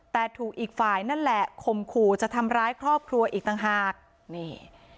แต่ถูกอีกฝ่ายนั่นแหละข่มขู่จะทำร้ายครอบครัวอีกต่างหากนี่